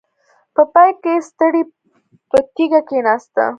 په پای کې ستړې په تيږه کېناسته.